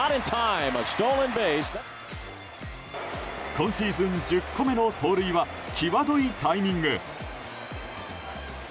今シーズン１０個目の盗塁は際どいタイミング。